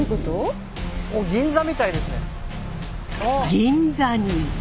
銀座に。